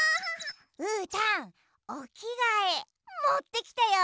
うーたんおきがえもってきたよ！